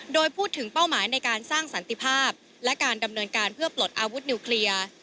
โดยพูดถึงเป้าหมายในการสร้างสันติภาพและการดำเนินการเพื่อปลดอาวุธนิวเคลียร์